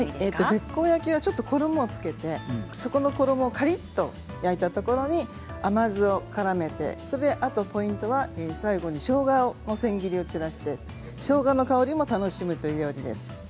べっこう焼きはちょっと衣を付けてそこの衣をカリっと焼いたところに、甘酢をからめてそれとあとポイントは最後にしょうがの千切りを散らしてしょうがの香りも楽しむという料理です。